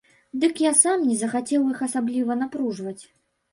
Дык я сам не захацеў іх асабліва напружваць.